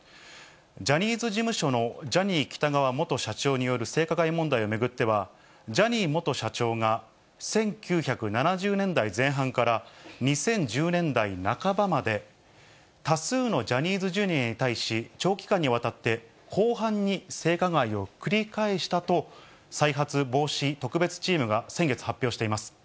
ジャニーズ事務所のジャニー喜多川元社長による性加害問題を巡っては、ジャニー元社長が、１９７０年代前半から２０１０年代半ばまで、多数のジャニーズＪｒ．に対し、長期間にわたって広範に性加害を繰り返したと、再発防止特別チームが先月発表しています。